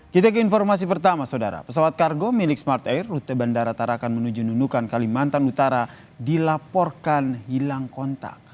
kita ke informasi pertama saudara pesawat kargo milik smart air rute bandara tarakan menuju nunukan kalimantan utara dilaporkan hilang kontak